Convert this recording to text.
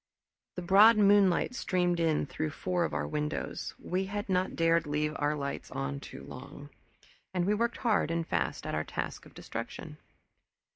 The broad moonlight streamed in through four of our windows we had not dared leave our lights on too long and we worked hard and fast at our task of destruction.